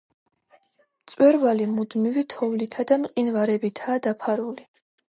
მწვერვალი მუდმივი თოვლითა და მყინვარებითაა დაფარული.